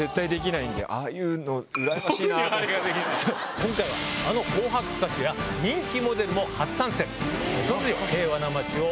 今回はあの紅白歌手や人気モデルも初参戦。